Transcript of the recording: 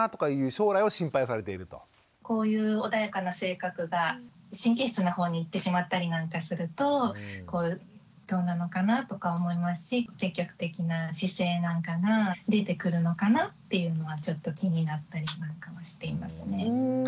こういう穏やかな性格が神経質な方にいってしまったりなんかするとどうなのかなとか思いますし積極的な姿勢なんかが出てくるのかなっていうのがちょっと気になったりなんかはしていますね。